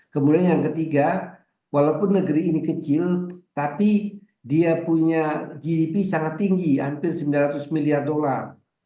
kemudian yang ketiga walaupun negeri ini kecil tapi dia punya gdp sangat tinggi hampir sembilan ratus miliar dolar